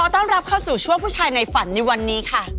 ต้อนรับเข้าสู่ช่วงผู้ชายในฝันในวันนี้ค่ะ